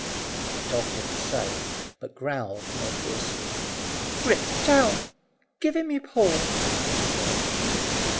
The dog didn't say, but growled more fiercely. "Grip, down! Give him your paw," cried the girl.